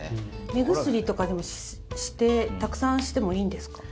目薬とかたくさんしてもいいんですか？